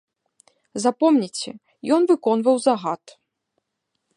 Запомніце, ён выконваў загад.